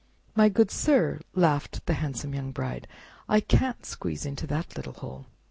"My good sir," laughed the handsome young Bride, "I can't squeeze into that little hole!"